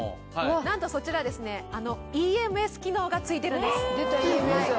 なんとそちらですねＥＭＳ機能が付いてるんです。